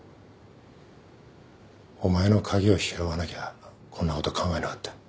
お前の鍵を拾わなきゃこんなこと考えなかった。